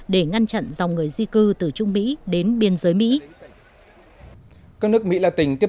để ngăn chặn dòng người di cư từ trung mỹ đến biên giới mỹ